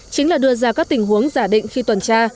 chính là đưa ra các tình huống giả định khi tuần tra